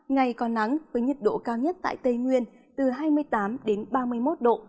ngày còn nắng với nhiệt độ cao nhất tại tây nguyên từ hai mươi tám ba mươi một độ